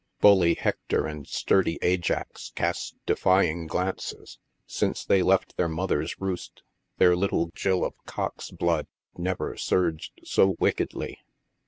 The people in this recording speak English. Bully Hector and sturdy Ajax cast defying glances ; since they left their mother's roost their little gill of cock's blood never surged so wickedly.